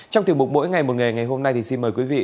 trong tiểu mục mỗi ngày một nghề ngày hôm nay thì xin mời quý vị